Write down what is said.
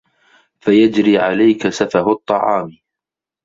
فَيَجْرِي عَلَيْك سَفَهُ الطَّعَامِ